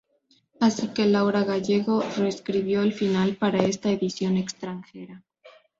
Así que Laura Gallego reescribió el final para esta edición extranjera.